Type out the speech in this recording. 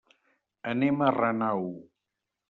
Anem a Renau.